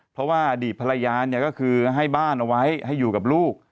เพราะว่าอดีตภรรยาเนี่ยก็คือให้บ้านเอาไว้ให้อยู่กับลูก